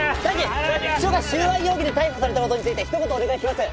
秘書が収賄容疑で逮捕された事について一言お願いします。